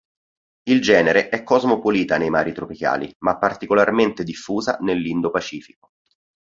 Il genere è cosmopolita nei mari tropicali ma particolarmente diffusa nell'Indo-Pacifico.